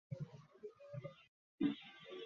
করুণা তাড়াতাড়ি অন্তঃপুরে প্রবেশ করিল।